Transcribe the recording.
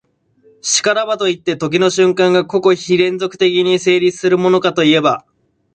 然らばといって、時の瞬間が個々非連続的に成立するものかといえば、